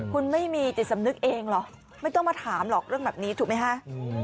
คุณไม่มีจิตสำนึกเองเหรอไม่ต้องมาถามหรอกเรื่องแบบนี้ถูกไหมฮะ